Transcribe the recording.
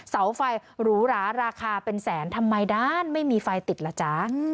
เสาไฟหรูหราราคาเป็นแสนทำไมด้านไม่มีไฟติดล่ะจ๊ะ